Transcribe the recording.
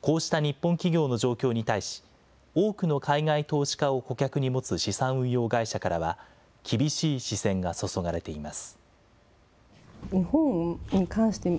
こうした日本企業の状況に対し、多くの海外投資家を顧客に持つ資産運用会社からは、厳しい視線が注がれています。